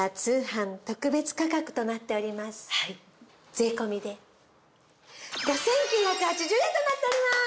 税込で５９８０円となっておりまーす！